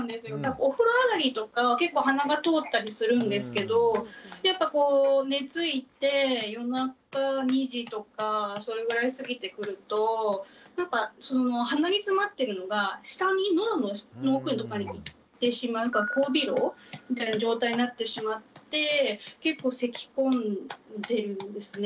お風呂上がりとか結構鼻が通ったりするんですけどやっぱこう寝ついて夜中２時とかそれぐらいを過ぎてくると鼻につまってるのが下にのどの奥とかに行ってしまう後鼻漏みたいな状態になってしまって結構せきこんでるんですね。